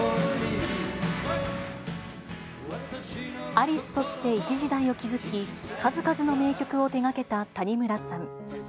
アリスとして一時代を築き、数々の名曲を手がけた谷村さん。